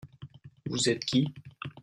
Vous êtes qui ?